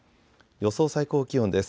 予想最高気温です。